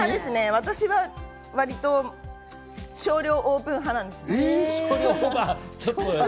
私は割と少量オープン派なんです。